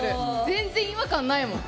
全然違和感ないもん。